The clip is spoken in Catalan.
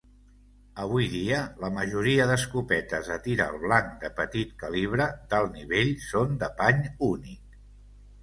Avui dia, la majoria d'escopetes de tir al blanc de petit calibre d'alt nivell són de pany únic.